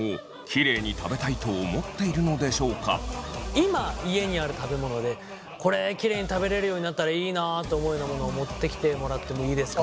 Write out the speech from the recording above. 今家にある食べ物でこれキレイに食べれるようになったらいいなと思うようなものを持ってきてもらってもいいですか？